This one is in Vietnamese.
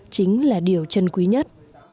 chính là điều trân quý nhất